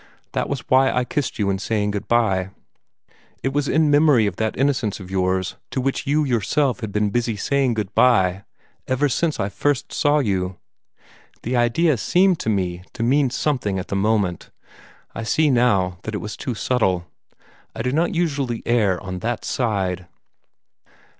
That was why I kissed you in saying good bye. It was in memory of that innocence of yours, to which you yourself had been busy saying good bye ever since I first saw you. The idea seemed to me to mean something at the moment. I see now that it was too subtle. I do not usually err on that side."